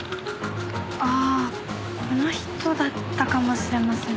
ああこの人だったかもしれません。